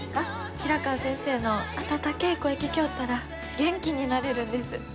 平川先生の温けえ声聴きょおったら元気になれるんです。